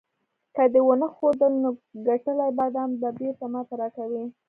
که دې ونه ښودل، نو ګټلي بادام به بیرته ماته راکوې.